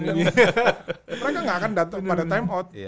mereka nggak akan datang pada time out